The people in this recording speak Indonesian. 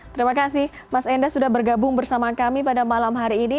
terima kasih mas enda sudah bergabung bersama kami pada malam hari ini